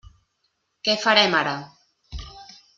Què farem ara?